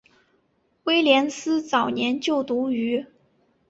威廉斯早年就读于。